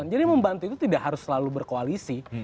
jadi membantu itu tidak harus selalu berkoalisi